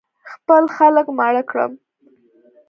خپل خلک ماړه کړم.